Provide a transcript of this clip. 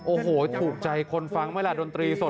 โอ้โหถูกใจคนฟังไหมล่ะดนตรีสด